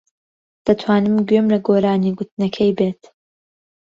دەتوانم گوێم لە گۆرانی گوتنەکەی بێت.